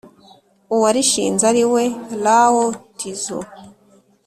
uwarishinze ari we lao-tzu